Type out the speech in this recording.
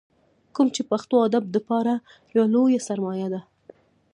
کوم چې پښتو ادب دپاره يوه لويه سرمايه ده ۔